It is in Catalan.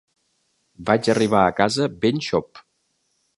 Vaig arribar a casa ben xop.